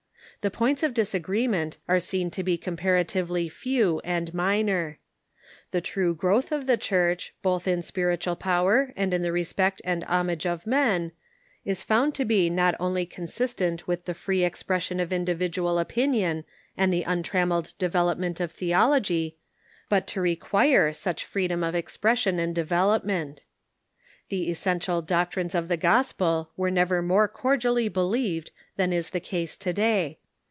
The points of disagreement are seen to be compar atively few and minor. The true growth of the Church, both in spiritual power and in the respect and homage of men, is found to be not only consistent with the free expression of individ ual opinion and the untrammelled development of theolog}', but to require such freedom of expression and development. The essential doctrines of the gospel were never moi*e cordially believed than is the case to day.